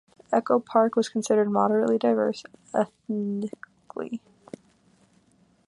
Echo Park was considered moderately diverse ethnically.